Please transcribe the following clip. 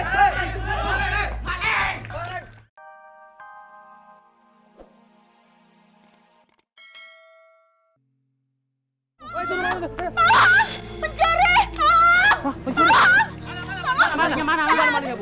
semua uang dan pria sen saya habis pak